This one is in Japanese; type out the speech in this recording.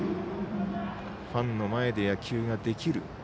ファンの前で野球ができる。